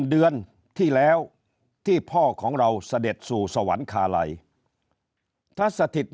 เดือนที่แล้วที่พ่อของเราเสด็จสู่สวรรคาลัยทัศถิต